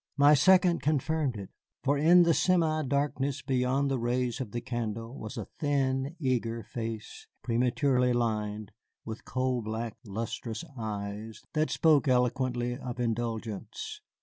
My second confirmed it, for in the semi darkness beyond the rays of the candle was a thin, eager face, prematurely lined, with coal black, lustrous eyes that spoke eloquently of indulgence.